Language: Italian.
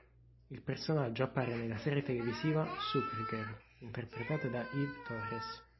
Il personaggio appare nella serie televisiva "Supergirl", interpretata da Eve Torres.